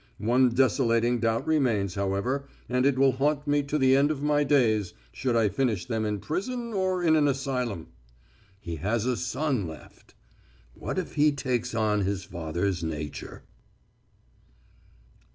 One desolating doubt remains, however, and it will haunt me to the end of my days, should I finish them in prison or in an asylum. He has a son left! What if he takes on his father's nature?